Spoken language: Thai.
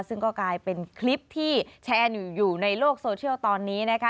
ซึ่งก็กลายเป็นคลิปที่แชร์อยู่ในโลกโซเชียลตอนนี้นะคะ